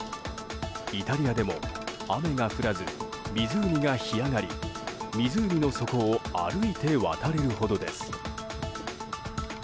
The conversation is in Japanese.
イタリアでも雨が降らず湖が干上がり湖の底を歩いて渡れるほどです。